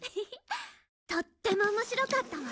とっても面白かったわ。